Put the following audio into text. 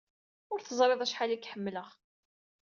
Ur teẓrid acḥal ay k-ḥemmleɣ.